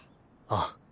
ああ。